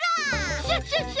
クシャシャシャ！